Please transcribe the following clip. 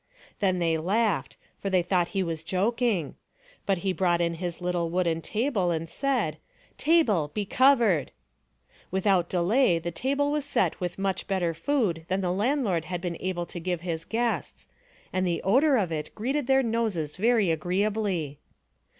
Then they laughed, for they thought he was joking; but he brought in his little wooden table and said, " Table, be covered !" Without delay the table was set with much better food than the landlord had been able to give his guests, and the odor of it greeted their noses very agreeably.